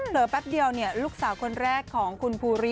แป๊บเดียวลูกสาวคนแรกของคุณภูริ